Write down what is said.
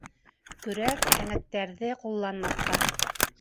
Көрәк, һәнәктәрҙе ҡулланмаҫҡа.